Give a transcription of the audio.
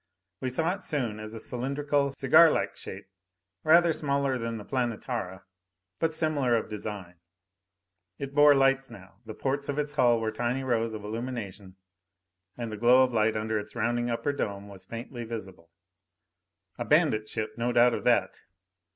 We saw it soon as a cylindrical, cigarlike shape, rather smaller than the Planetara, but similar of design. It bore lights now. The ports of its hull were tiny rows of illumination, and the glow of light under its rounding upper dome was faintly visible. A bandit ship, no doubt of that.